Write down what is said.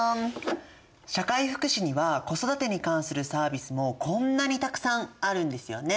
社会福祉には子育てに関するサービスもこんなにたくさんあるんですよね。